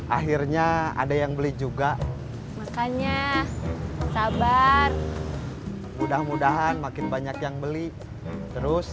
akhirnya ada yang beli juga makannya sabar mudah mudahan makin banyak yang beli terus